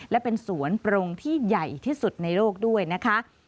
และเป็นสวนปรงที่ใหญ่ที่สุดในโลกด้วยนะคะ